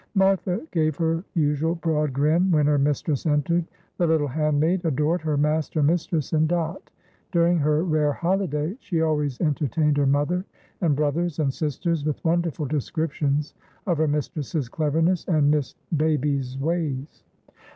Martha gave her usual broad grin when her mistress entered; the little handmaid adored her master and mistress and Dot. During her rare holiday she always entertained her mother and brothers and sisters with wonderful descriptions of her mistress's cleverness and Miss Baby's ways.